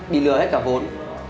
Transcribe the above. bị lừa hết cả vốn